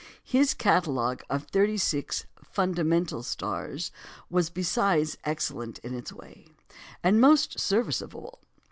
His catalogue of thirty six "fundamental" stars was besides excellent in its way, and most serviceable.